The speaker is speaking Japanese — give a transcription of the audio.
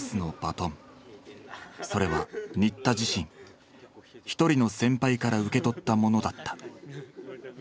それは新田自身１人の先輩から受け取ったものだった。